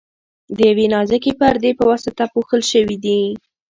د یوې نازکې پردې په واسطه پوښل شوي دي.